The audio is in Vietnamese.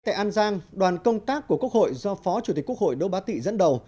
tại an giang đoàn công tác của quốc hội do phó chủ tịch quốc hội đỗ bá tị dẫn đầu